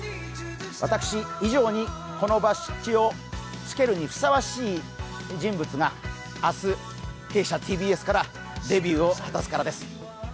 私以上にこのバッチをつけるにふさわしい人物が明日弊社ＴＢＳからデビューを果たすからです。